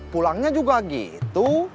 pulangnya juga gitu